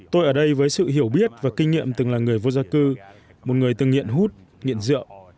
tôi ở đây với sự hiểu biết và kinh nghiệm từng là người vô gia cư một người từng nghiện hút nghiện rượu